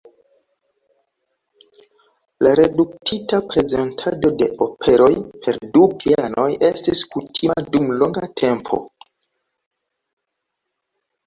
La reduktita prezentado de operoj per du pianoj estis kutima dum longa tempo.